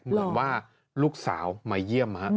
เหมือนว่าลูกสาวมาเยี่ยม